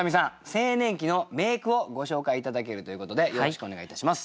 青年期の名句をご紹介頂けるということでよろしくお願いいたします。